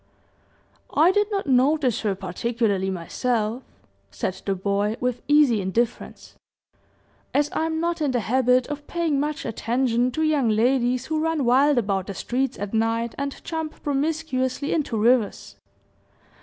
"I did not notice her particularly myself," said the boy, with easy indifference, "as I am not in the habit of paying much attention to young ladies who run wild about the streets at night and jump promiscuously into rivers.